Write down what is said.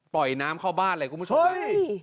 ปล่อยน้ำเข้าบ้านเลย